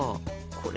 これ。